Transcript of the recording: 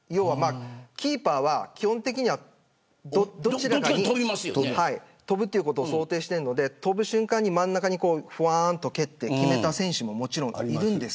キーパーは基本的にはどちらかに跳ぶということを想定しているので跳ぶ瞬間に真ん中にふわりと蹴って決めた選手もいます。